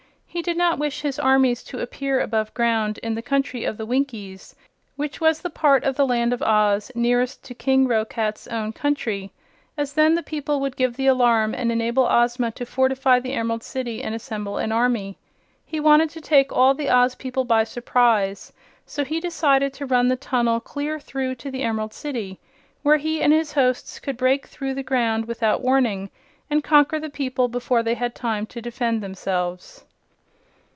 He did not wish his armies to appear above ground in the Country of the Winkies, which was the part of the Land of Oz nearest to King Roquat's own country, as then the people would give the alarm and enable Ozma to fortify the Emerald City and assemble an army. He wanted to take all the Oz people by surprise; so he decided to run the tunnel clear through to the Emerald City, where he and his hosts could break through the ground without warning and conquer the people before they had time to defend themselves.